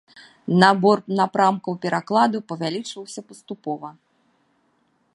Набор напрамкаў перакладу павялічваўся паступова.